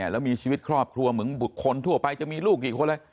แล้วมีชีวิตครอบครัวเหมือนบุคคลทั่วไปจะมีลูกกี่คนเลย